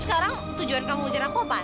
sekarang tujuan kamu ngujar aku apaan